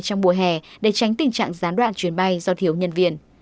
trong mùa hè để tránh tình trạng gián đoạn chuyến bay do thiếu nhân viên